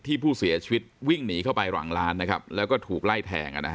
ที่ผู้เสียชีวิตวิ่งหนีเข้าไปหลังร้านนะครับแล้วก็ถูกไล่แทง